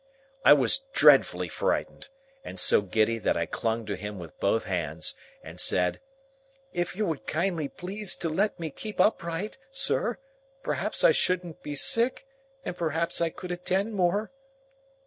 I was dreadfully frightened, and so giddy that I clung to him with both hands, and said, "If you would kindly please to let me keep upright, sir, perhaps I shouldn't be sick, and perhaps I could attend more."